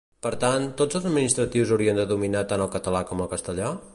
Per tant, tots els administratius haurien de dominar tant el català com el castellà?